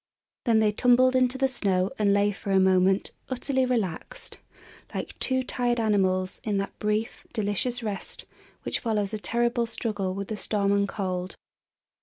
Then they tumbled into the snow and lay for a moment utterly relaxed, like two tired animals, in that brief, delicious rest which follows a terrible struggle with the storm and cold.